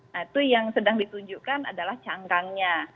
nah itu yang sedang ditunjukkan adalah cangkangnya